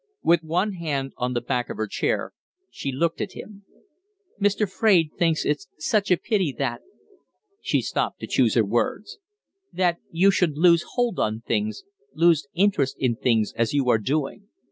With one hand on the back of her chair, she looked at him. "Mr. Fraide thinks it's such a pity that" she stopped to choose her words "that you should lose hold on things lose interest in things, as you are doing.